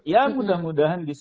ya mudah mudahan bisa